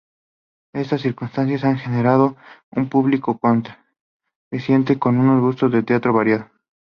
Estas circunstancias han generado un público costarricense con un gusto de teatro variado.